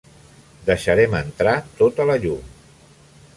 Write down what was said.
Deixarem entrar tota la llum.